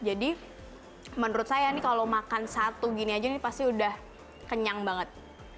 jadi menurut saya kalau makan satu gini aja ini pasti udah kenyang banget